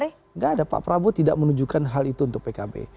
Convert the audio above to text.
tidak ada pak prabowo tidak menunjukkan hal itu untuk pkb